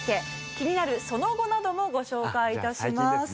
気になるその後などもご紹介致します。